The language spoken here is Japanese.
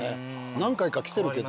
何回か来てるけど。